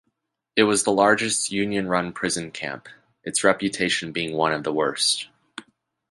It was the largest Union-run prison camp, its reputation being one of the worst.